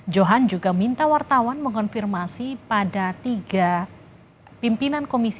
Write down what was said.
johan juga minta wartawan mengonfirmasi pada tiga pimpinan komisi